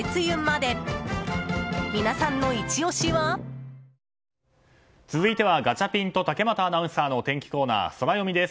東京海上日動続いてはガチャピンと竹俣アナウンサーのお天気コーナー、ソラよみです。